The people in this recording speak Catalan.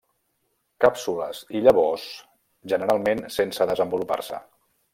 Càpsules i llavors generalment sense desenvolupar-se.